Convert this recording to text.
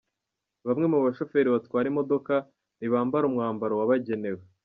Bamwe mu bashoferi batwara i modoka ntibambara umwambaro wabagenewe